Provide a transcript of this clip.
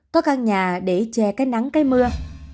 có căn nhà để che cái nắng cái mưa